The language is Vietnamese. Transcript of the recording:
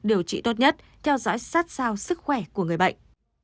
điều trị tốt nhất theo dõi sát sao sức khỏe của người bệnh